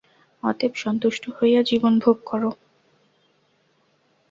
অতএব সন্তুষ্ট হইয়া জীবন ভোগ কর।